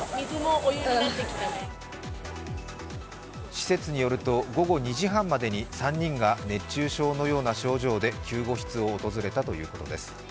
施設によると午後２時半までに３人が、熱中症のような症状で救護室を訪れたということです。